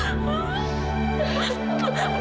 ini beneran mama kan mama